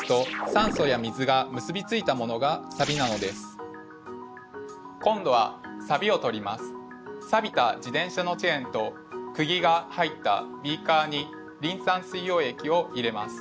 さびた自転車のチェーンとくぎが入ったビーカーにリン酸水溶液を入れます。